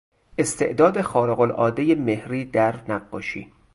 استعداد خارقالعادهی مهری در نقاشی